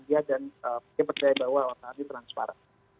ika percaya bahwa wartawan transparan